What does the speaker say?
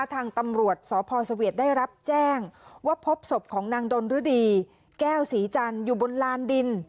ทางตำรวจสพสเวียดได้รับแจ้งว่าพบศพของนางดนฤดีแก้วศรีจันทร์อยู่บนลานดิน